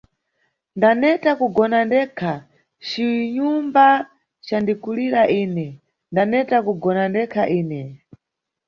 Ndaneta kugona ndekha cinyumba candikulira ine, ndaneta kugona ndekha ine.